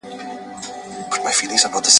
د ټول مصر به مالدار او دُنیا دار سم ..